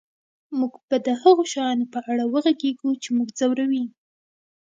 موږ به د هغو شیانو په اړه وغږیږو چې موږ ځوروي